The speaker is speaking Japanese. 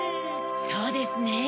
そうですね。